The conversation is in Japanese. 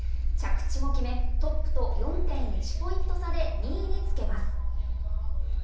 着地も決め、トップと４．１ポイント差で２位につけます。